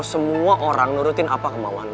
lo mau semua orang nurutin apa kemauan lo